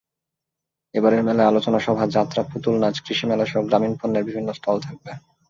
এবারের মেলায় আলোচনা সভা, যাত্রা, পুতুলনাচ, কৃষিমেলাসহ গ্রামীণ পণ্যের বিভিন্ন স্টল থাকবে।